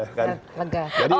oke lega pak gita